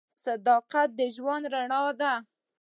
• صداقت د ژوند رڼا ده.